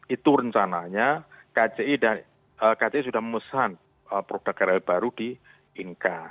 itu rencananya kci sudah memesan produk krl baru di inka